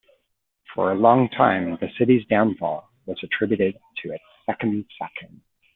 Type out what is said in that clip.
For a long time, the city's downfall was attributed to its second sacking.